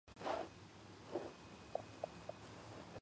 ქვეყანაში მოქმედებს ორპარტიული სისტემა.